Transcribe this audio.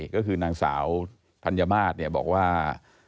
ก็คือนางสาวธัญมาศบอกว่า